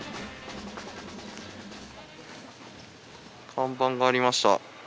看板がありました。